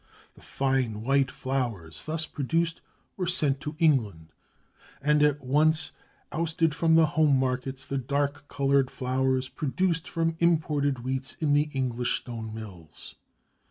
The fine white flours thus produced were sent to England, and at once ousted from the home markets the dark coloured flours produced from imported wheats in the English stone mills.